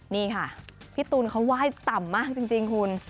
นี่ค่ะพี่ตูนเขาไหว้ต่ำมากจริงคุณ